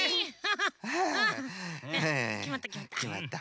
ハッきまったきまった。